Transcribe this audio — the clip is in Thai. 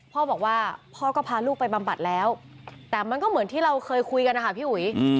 พ่อบอกว่าพ่อก็พาลูกไปบำบัดแล้วแต่มันก็เหมือนที่เราเคยคุยกันนะคะพี่อุ๋ย